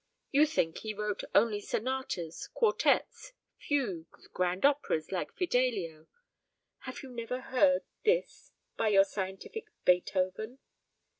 "You think he wrote only sonatas, quartettes, fugues, grand operas, like Fidelio. Have you never heard this by your scientific Beethoven?"